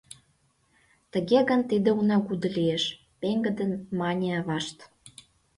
— Тыге гын, тиде унагудо лиеш, — пеҥгыдын мане авашт.